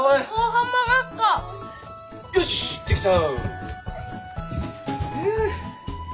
よしできた。